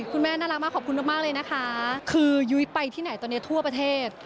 คุณแม่น่ารักมากขอบคุณมากเลยนะคะคือยุ้ยไปที่ไหนตอนนี้ทั่วประเทศ